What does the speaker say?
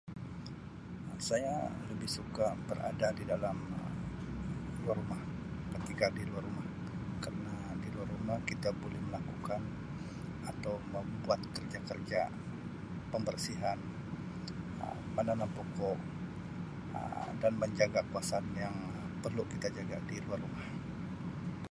Saya lebih suka berada di dalam Um luar rumah ketika di luar rumah kerna di luar rumah kita buli melakukan atau membuat kerja-kerja pembersihan, Um menanam pokok Um menjaga kawasan yang perlu kita jaga di luar rumah.